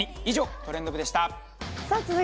以上トレンド部でしたさあ